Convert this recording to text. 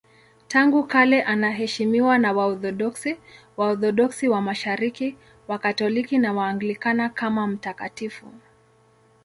Tangu kale anaheshimiwa na Waorthodoksi, Waorthodoksi wa Mashariki, Wakatoliki na Waanglikana kama mtakatifu.